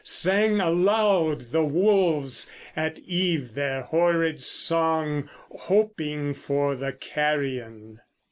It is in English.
Sang aloud the wolves At eve their horrid song, hoping for the carrion.